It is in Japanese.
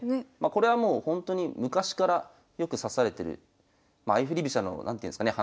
これはもうほんとに昔からよく指されてる相振り飛車の何ていうんですかね